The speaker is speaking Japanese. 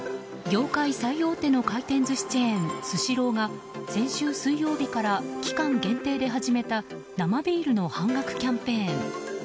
業界最大手の回転寿司チェーンスシローが先週水曜日から期間限定で始めた生ビールの半額キャンペーン。